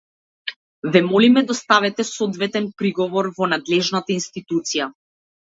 Ве молиме доставете соодветен приговор во надлежната институција.